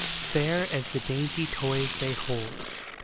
Fair as the dainty toys they hold.